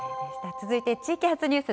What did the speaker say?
続いて地域発ニュース。